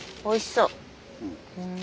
おいしそう。